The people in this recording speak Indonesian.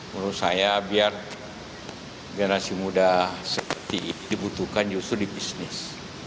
menurut saya biar generasi muda seperti ini dibutuhkan justru di bisnis